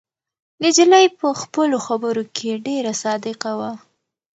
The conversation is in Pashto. نجلۍ په خپلو خبرو کې ډېره صادقه وه.